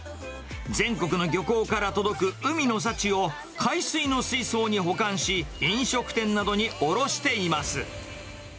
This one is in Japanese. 全国の漁港から届く海の幸を、海水の水槽に保管し、飲食店などに卸しています。